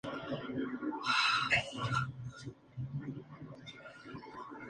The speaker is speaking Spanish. Estudió la escuela primaria y secundaria en su ciudad natal.